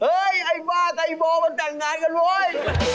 เฮ่ยไอ้บ้าไอ้บอมมันแต่งงานกันเว้ย